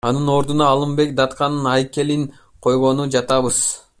Анын ордуна Алымбек датканын айкелин койгону жатабыз.